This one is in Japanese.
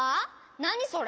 なにそれ？